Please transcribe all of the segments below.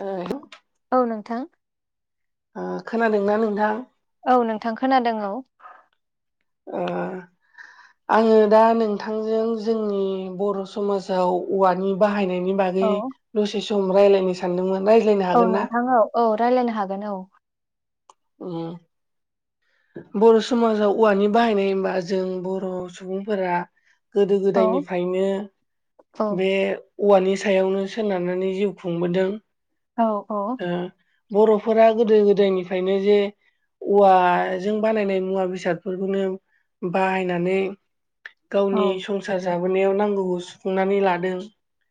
ओ औ नोंथां। ओ खोनादोंना नोंथां। औ नोंथां खोनादों औ। ओ। आङो दा नोंथांजों जोंनि बर' समाजाव औवानि बाहायनाय नि बागै औ दसे सम रायलायनो सानदोंमोन। रायज्लायनो औ हागोन ना? नोंथां औ रायलायनो हागोन औ। उम। बर' समाजाव औवानि बाहायनाय होमबा जों बर' सुबुंफोरा। गोदो औ गोदायनिफ्रायनो औ बे। औवानि सायावनो सोनारनानै जिउ खुंबोदों। औ औ। ओ बर'फोरा गोदो गोदायनिफ्रायनो जे औवा। जों बानायनाय मुवा बेसादफोरखौनो बाहायनानै गावनि औ संसा रं जाबोनायाव नांगौखौ सुफुंनानै लादों।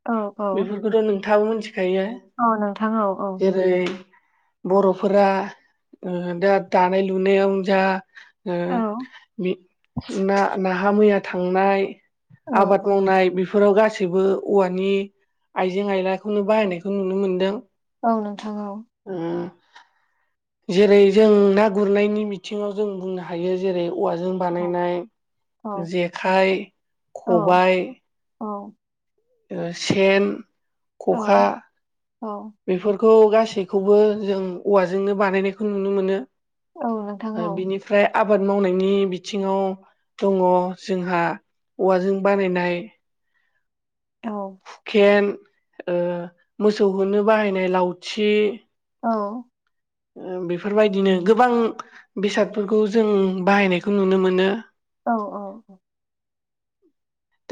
औ औ बेफोरखौथ' नोंथाङाबो मिथिखायो औ नोंथां औ औ जेरै बर'फोरा ओ दा दानाय लुनायावनो जा। ओ औ बि ना नाहा मैया थांनाय। आबाद औ मावनाय बेफोराव गासैबो औवानि। आइजें आइलाखौनो बाहायनायखौ नुनो मोनदों। औ नोंथां औ। ओ जेरै जों ना गुरनायनि बिथिङाव जों बुंनो हायो जेरै औवाजों औ बानायनाय औ जेखाइ औ खबाय औ सेन, खखा बेफोरखौ खौ गासैखौबो जों औवाजोंनो बानायनायखौ नुनो मोनो। औ नोंथां औ नोंथां औ बिनिफ्राय आबाद मावनायनि बिथिङाव दङ जोंहा औवाजों बानायनाय। औ सेन ओ मोसौ होनो बाहायनाय लावथि औ बेफोरबायदिनो गोबां बेसादफोरखौ जों बाहायनायखौ नुनो मोनो। औ औ औ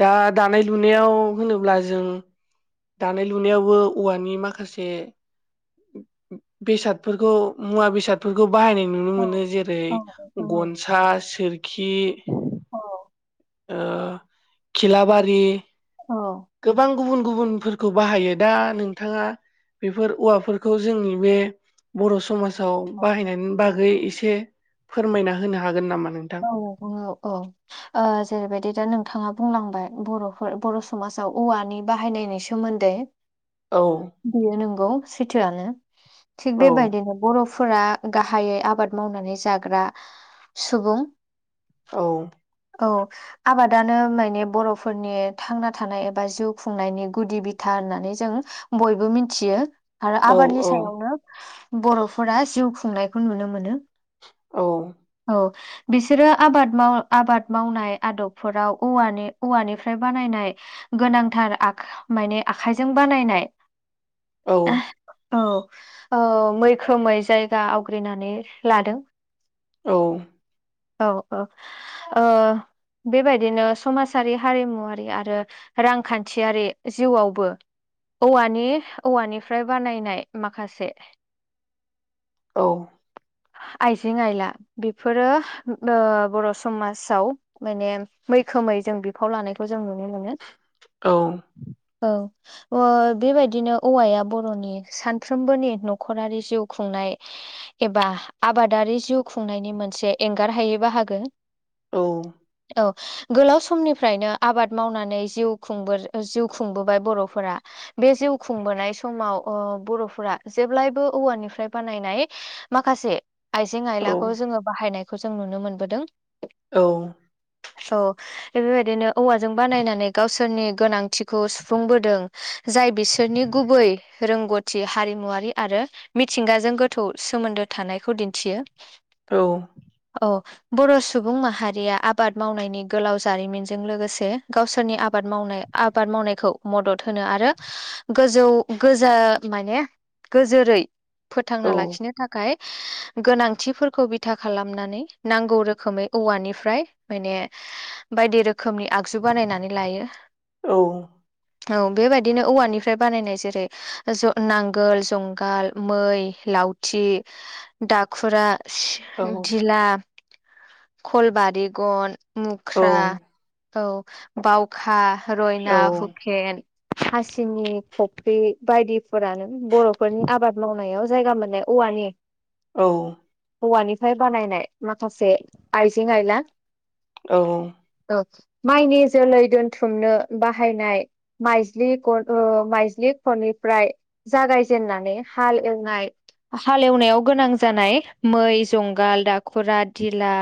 दा दानाय लुनायाव होनोब्ला जों दानाय लुनायावबो औवानि माखासे बेसादफोरखौ मुवा बेसादफोरखौ बाहायनाय नुनो मोनो जेरै गनसा सोरखि औ ओ खिलाबारि गोबां औ गुबुन गुबुनफोरखौ बाहायो दा नोंथाङा बेफोर औवाफोरखौ जोंनि बे बर' समाजाव बाहायनायनि बागै एसे फोरमायना होनो हागोन नामा। नोंथां? औ औ औ ओ जेरैबायदि दा नोंथाङा बुंलांबाय बर'फोर बर' समाजाव औवानि बाहायनायनि सोमोन्दै औ बेयो नंगौ सैथोआनो थिग औ बेबायदिनो बर' फोरा गाहायै आबाद मावनानै जाग्रा सुबुं। औ औ आबादानो माने बर'फोरनि थांना थानाय एबा जिउ खुंनायनि गुदि बिथार। होननानै जों बयबो मिथियो। आरो औ आबादनि औ सायावनो बर'फोरा जिउ खुंनायखौ नुनो मोनो। औ औ बिसोरो आबाद माव आबाद मावनाय आदबफोराव औवानिफ्राय बानायनाय गोनांथार आ माने आखाइजों बानायनाय औ औ ओ मैखोमै जायगा आवग्रिनानै लादों। औ औ औ ओ बेबायदिनो समाजारि हारिमुवारि आरो रांखान्थियारि जिउआवबो औवानि औवानिफ्राय बानायनाय माखासे औ आइजें आइला बेफोरो ओ बर' समाजाव माने मैखोमै जों बिफाव लानायखौ। जों नुनो मोनो औ औ ओ बेबायदिनो औवाया बर'नि सानफ्रोमबोनि न'खरारि जिउ खुंनाय। एबा आबादारि जिउ खुंनायनि मोनसे एंगारहायै बाहागो। औ औ गोलाव समनिफ्रायनो आबाद मावनानै जिउ खुंबो जिउ खुंबोबाय बर'फोरा बे जिउ खुंबोनाय समाव ओ बर'फोरा जेब्लायबो औवानिफ्राय बानायनाय माखासे आइजें औ आयलाखौ जोङो बाहायनायखौ जों नुनो मोनबोदों। औ औ बेबायदिनो औवाजों बानायनानै गावसोरनि गोनांथिखौ सुफुंबोदों। जाय बिसोरनि गुबै रोंगौथि हारिमुवारि आरो मिथिंगाजों गोथौ सोमोन्दो थानायखौ दिन्थियो। औ। औ बर' सुबुं माहारिया आबाद मावनायनि गोलाव जारिमिनजों लोगोसे गावसोरनि आबाद मावनाय आबाद माव मावनायखौ मदद होनो आरो गोजौ गोजा माने गोजोरै औ फोथांना लाखिनो थाखाय गोनांथिफोरखौ बिथा खालामनानै नांगौ रोखोमै औवानिफ्राय माने बायदि रोखोम रोखोमनि आगजु बानायनानै लायो। औ औ बेबायदिनो औवानिफ्राय बानायनाय जेरै नांगोल जुंगाल मै लाउथि दाखुरा धिला कलबारिगन औ मुख्रा औ बावखा औ रयना हुकेन हासिनि कफ्रि बायदिफोरानो बर'फोरनि आबाद मावनायाव जायगा मोननाय औवानि औ हौवानिफ्राय बानायनाय माखासे आइजें आइला औ औ माइनि जोलै दोनथुमनो बाहायनाय माइ माइज्लि खनिफ्राय जागायजेेननानै हाल एवनाय हालेवनायाव गोनां जानाय मै जुंगाल दाखुरा धिला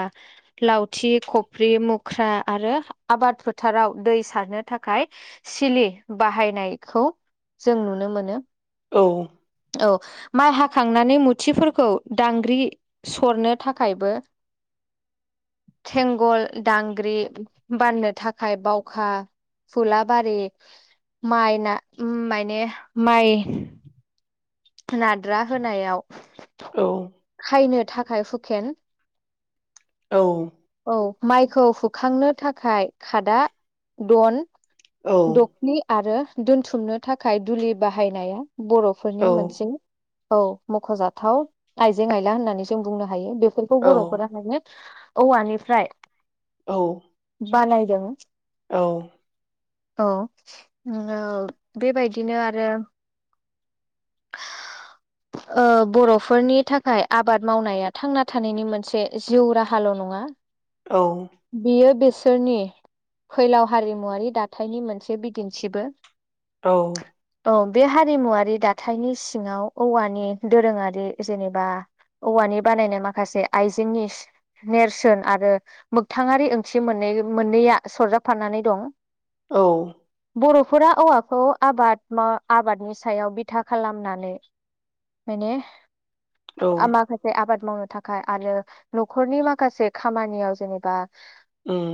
लावथि खफ्रि मुख्रा आरो आबाद फोथाराव दै सारनो थाखाय सिलि बाहायनायखौ जों नुनो मोनो औ औ माइ हाखांनानै मुथिफोरखौ दांग्रि सरनो थाखायबो [inaudible] थेंगल दांग्रि बाननो थाखाय बावखा फुला बारि माइना मायने माइ नाद्रा होनायाव औ बैनो थाखाय हुकेन औ औ माइखौ हुखांनो थाखाय खादा दन दखनि आरो दोनथुमनो थाखाय दुलि बाहायनाया बर'फोरनि मोनस औ मख'जाथाव आइजें आइला होननानै जों बुंनो हायो बेब बेफोरखौ औ बर'फोरा [unintelligible] औवानिफ्राय औ बानायदों औ औ ओ बेबायदिनो आरो ओ बर'फोरनि थाखाय आबाद मावनाया थांना थानायनि मोनसे जिउ राहाल' नङा हा [unintelligible] औ बियो बेस -सोरनि फैलाव हारिमुवारि दाथायनि मोनसे बिदिन्थिबो औ। औ बे हारिमुवारि दाथायनि सिङाव औवानि दोरोङारि जेनेबा औवानि बानायनाय माखासे आइजेंनिस नेरसोन आरो मोगथाङारि ओंथि मोननै मोननैया सरजाबफानानै दं । औ। बर'फोरा औवाखौ आबाद मा आबादनि सायाव बिथा खालामनानै मायने औ आ माखासे आबाद मावनो थाखाय आरो न'खरनि माखासे खामानियाव जेने बा उम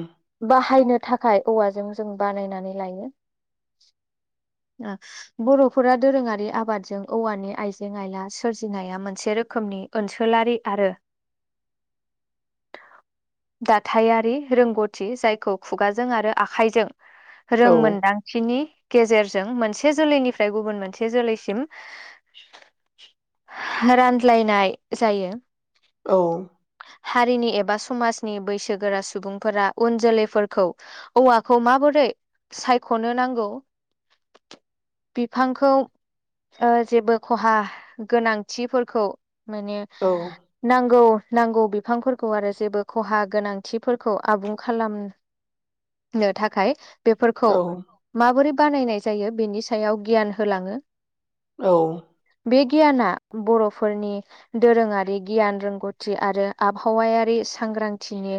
बाहायनो थाखाय औवाजों जों बानायनानै लायो । ओ बर'फोरा दोरोङारि आबादजों औवानि आइजें आइला सोरजिनाया मोनसे रोखोमनि ओनसोलारि आरो [inaudible] दाथायारि रोंगौथि जायखौ खुगाजों आरो आखाइजों औ रोंमोनदांथिनि गेजेरजों मोनसे जोलैनिफ्राय गुबुन मोनसे जोलैसिम रानज्लायनाय जायो । औ। हारिनि एबा समाज नि बैसोगोरा सुबुंफोरा उन जोलैफोरखौ औवाखौ माबोरै सायख'नो नां नांगौ [inaudible] बिफांखौ ओ जेबो खहा गोनांथिफोरखौ माने औ नांगौ नांगौ बिफांफोरखौ आरो जेबो खहा गोनांथिफोरखौ आबुं खालामनो थाखाय बेफोरखौ औ माबोरै बानायनाय जायो बेनि सायाव गियान होलाङो। औ। बे गियाना बर'फोरनि दोरोङारि गियान रोंगौथि आरो आबहावायारि सांग्रांथिनि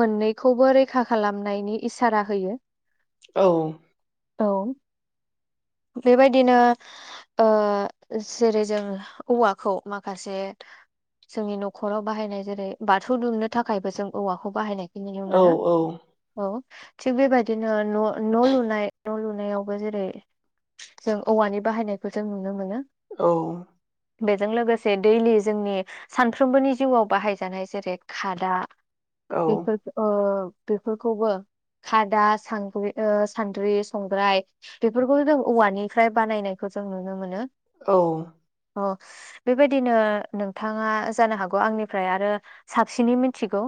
मोननैखौबो रैखा खालामनायनि इसारा होयो । औ। औ बेबायदिनो ओ जेरै जों औवाखौ माखासे जोंनि नखराव बाहायनाय जेरै बाथौ दुमनो थाखायबो जों औवाखौ बाहायनायखौ नुनो मोनो औ। थिग बेबायदिनो न' न' लुनाय न' लुनायावबो जेरै जों औवानि बाहायनायखौ जों नुनो मोनो। औ। बेजों लोगोसे दैलि जोंनि सानफ्रोमबोनि जिउआव बाहायजानाय जेरै खादा औ बेफोर ओ बेफोरखौबो खादा सांग्रि ओ सानद्रि संग्राय बेफोरखौ जों औवानिफ्राय बानायनायखौ जों नुनो मोनो। औ। अ बेबायदिनो नोंथाङा जानो हागौ आंनिफ्राय आ रो साबसिनै मिथिगौ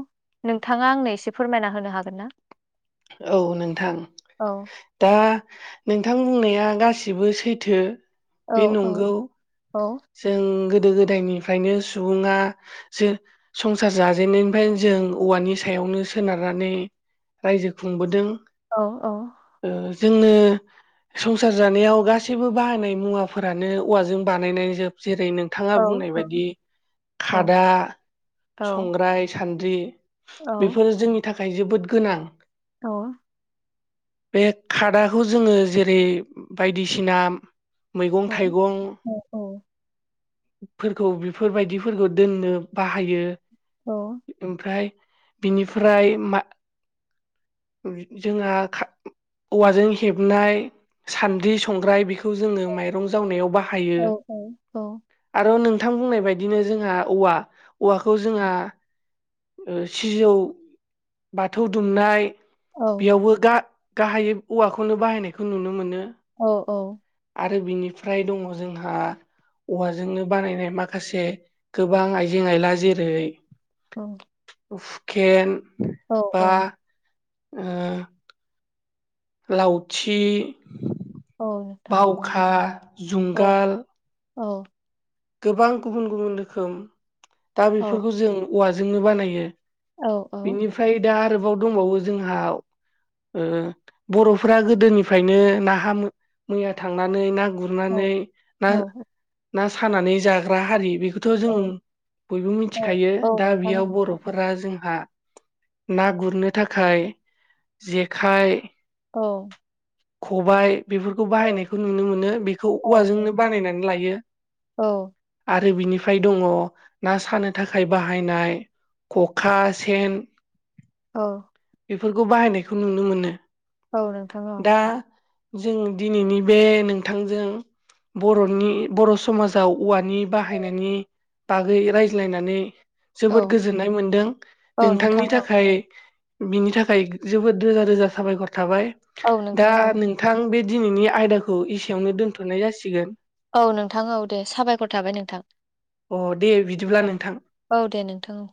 नोंथाङा आंनो एसे फोरमायना होनो हागोन ना? औ नोंथां। औ दा नोंथां बुंनाया गासिबो सैथो औ बे औ नंगौ औ जों गोदो गोदायनिफ्रायनो सुबुङा जे संसार जाजेननायनिफ्राय जों औवानि सायाव नो सोनारनानै रायजो खुंबोदों। औ औ। ओ जोंनो संसार जानायाव गासैबो बाहायनाय मुवाफोरानो औवाजों बानायनाय जोब जेरै नोंथाङा औ बुंनाय बायदि औ खादा, औ संग्राय, सान द्रि बेफोरो जोंनि थाखाय जोबोद गोनां। औ। बे खादाखौ जोङो जेरै बायदिसिना मैगं थाइगं। फोरखौ बेफोरबायदिफोरखौ दोननो बाहायो ओमफ्राय बिनिफ्राय मा [unintelligible] जोंहा खा औवाजों हेबनाय सान्दि संग्राय बिख खौ जोङो माइरं जावनायाव बाहायो अ औ नोंथां बुंनाय बायदिनो जोंहा औवा औवाखौ जोंहा ओ सिजौ बाथौ दुमनाय बेयावबो गा गाहायै औवाखौनो बाहायनायखौ नुनो मोनो औ औ [unintelligible] बिनिफ्राय दङ' जोंहा औवाजोंनो बानायनाय माखासे गोबां आइजें आयला जेरै औ उफकेन औ औ उम लावथि नोंथां बावखा औ जुंगाल औ गोबां गुबुन गुबुन रोखोम दा औ बेफोरखौ जों औवाजोंनो बानायो औ बिनिफ्राय दा आरोबाव दंबावो जोंहा ओ बर'फोरा गोदोनिफायनो ना मैया थांनानै ना गुरनानै ना औ ना सानानै जाग्रा हारि बेख खोथ' जों बयबो औ मिनथिखायो औ दा नोंथां बेयाव बर'फोरा जोंहा ना गुरनो थाखाय जेखाइ औ खबाइ बेफोरखौ बाहायनायखौ नुनो मोनो बेखौ औ औवाजोंनो बानायनानै लायो औ आ [unintelligible] रो बिनिफ्राय दङ' ना सानो थाखाय बाहायनाय ख'खा सेन औ । बेफोरखौ बाहायनायखौ नुनो मोनो । औ नों दा जों दिनैनि बे नोंथांजों बर'नि बर' समाजाव औवानि बाहायनायनि बागै रायज्लायनानै औ जोबोद गोजोननाय मोनदों औ नोंथां नोंथांनि औ थाखाय औ बिनि थाखाय जोबोद रोजा रोजा साबायखर थाबाय औ दा नोंथां औ नोंथां [unintelligible] बे दिनैनि आयदाखौ इसेयावनो दोनथ'नाय जासिगोन । औ नोंथां औ दे साबायखर थाबाय नोंथां अ दे बिदिब्ला नोंथां । औ औ दे नोंथां औ।